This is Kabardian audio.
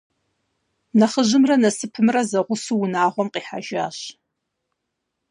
Нэхъыжьымрэ Насыпымрэ зэгъусэу унагъуэм къихьэжащ.